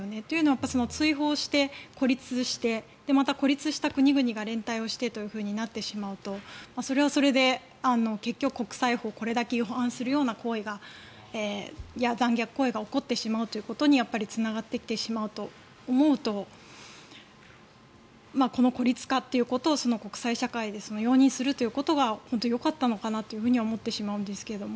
というのは追放して、孤立してまた孤立した国々が連帯してとなってしまうとそれはそれで結局、国際法をこれだけ違反するような行為や残虐行為が起こってしまうということにつながってきてしまうと思うとこの孤立化ということを国際社会で容認することが本当によかったのかなとは思ってしまうんですが。